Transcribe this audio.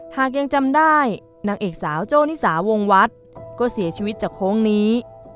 หากยังจำได้นางเอกสาวโจ้นิสาวงวัดก็เสียชีวิตจากโค้งนี้